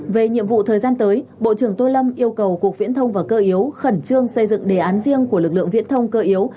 về nhiệm vụ thời gian tới bộ trưởng tô lâm yêu cầu cục viễn thông và cơ yếu khẩn trương xây dựng đề án riêng của lực lượng viễn thông cơ yếu